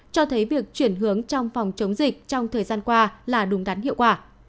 cho thấy việc chuyển hướng trong phòng chống dịch trong thời gian qua là đúng đắn hiệu quả